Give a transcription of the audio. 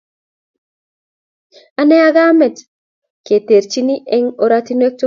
Ane ak kamet keterchin eng oratinwek tugul